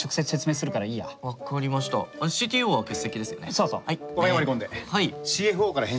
そうそう。